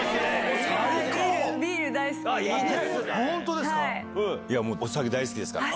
お酒大好きですから。